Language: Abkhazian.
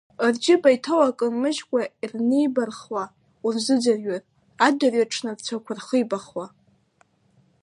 Рџьыба иҭоу акы нмыжькәа ирнибархуа, урзыӡырҩыр, адырҩаҽны, рцәақәа рхибахуа.